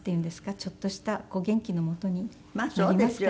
ちょっとした元気のもとになりますからね。